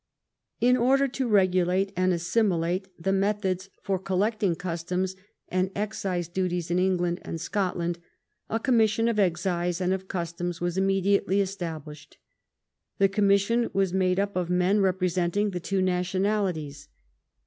In order to regulate and assimilate the methods for collecting customs and excise duties in England and Scotland, a commission of excjse and of customs was immediately established. The commission was made up of men representing the two nationalities.